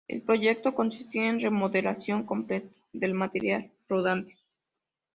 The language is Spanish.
El proyecto consistía en la remodelación completa del material rodante.